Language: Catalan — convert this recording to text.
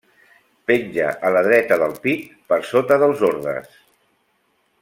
Penja a la dreta del pit, per sota dels ordes.